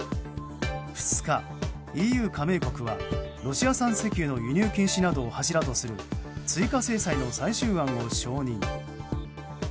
２日、ＥＵ加盟国はロシア産石油の輸入禁止などを柱とする追加制裁の最終案を承認。